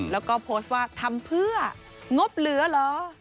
แล้วก็โพสต์ว่าทำเพื่องบเหลือเหรอ